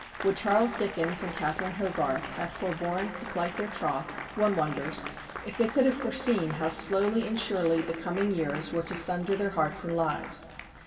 Would Charles Dickens and Catherine Hogarth have foreborne to plight their troth, one wonders, if they could have foreseen how slowly and surely the coming years were to sunder their hearts and lives?